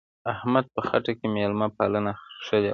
احمد په خټه کې مېلمه پالنه اخښلې ده.